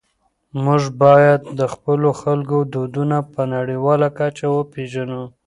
موږ باید د خپلو خلکو دودونه په نړيواله کچه وپېژنو.